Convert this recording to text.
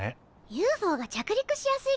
ＵＦＯが着陸しやすいから？